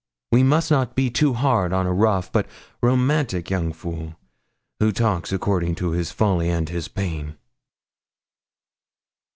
We must not be too hard on a rough but romantic young fool, who talks according to his folly and his pain.'